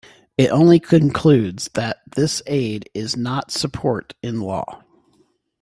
It only concludes that this aid is not 'support' in law.